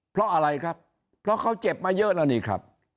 เพราะอะไรครับเพราะเขาเจ็บมาเยอะแล้วนี่ครับ